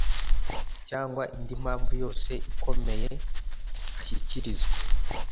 cyangwa indi mpamvu yose ikomeye ashyikirizwa